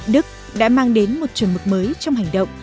đức đã mang đến một chuẩn mực mới trong hành động